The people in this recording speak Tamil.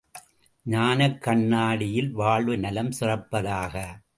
ஞானக் கண்ணாடியில் வாழ்வு நலம் சிறப்பதாக!